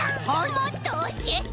もっとおしえて！